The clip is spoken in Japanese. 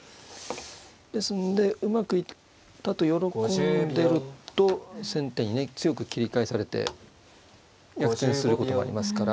ですんでうまくいったと喜んでると先手にね強く切り返されて逆転することもありますから。